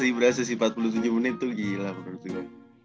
tapi berasa sih berasa sih empat puluh tujuh menit tuh gila menurut gua